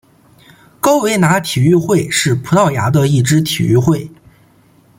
高维拿体育会是葡萄牙的一支体育会。